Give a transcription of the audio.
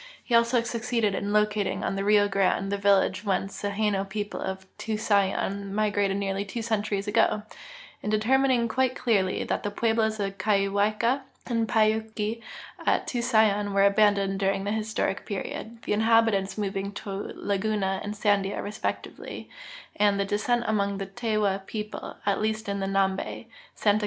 He also succeeded in locating on the Rio Grande the village whence the llano people of Tusayan migrated nearl}^ two centuries ago; in determining rjuite clearly that the pueblos of Kawaika and Pai yupki at Tusayan were abandoned during the historic period, the inhabitants moving to Laguna and Sandia respectively, and that de.scent among the Tewa people, at least in Xambe, Santa